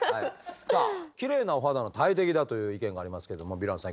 さあきれいなお肌の大敵だという意見がありますけどもヴィランさん